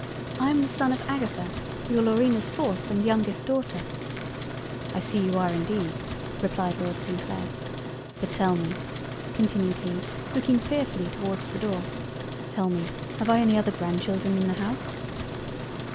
I am the son of Agatha your Laurina's 4th and youngest Daughter," "I see you are indeed; replied Lord St. Clair—But tell me (continued he looking fearfully towards the Door) tell me, have I any other Grand children in the House."